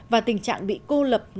và tình trạng bị cô lập